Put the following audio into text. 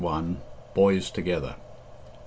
BOYS TOGETHER. I.